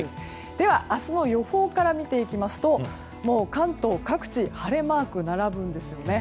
では、明日の予報から見ていきますともう関東各地晴れマークが並ぶんですね。